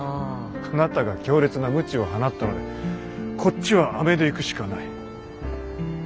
あなたが強烈なムチを放ったのでこっちはアメでいくしかない。